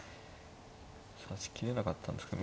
指し切れなかったんですけど。